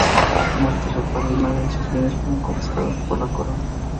Muertos su padre y madre, sus bienes fueron confiscados por la corona.